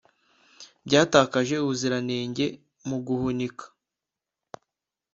bwatakaje ubuziranenge mu guhunika